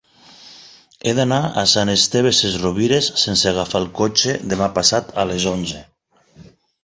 He d'anar a Sant Esteve Sesrovires sense agafar el cotxe demà passat a les onze.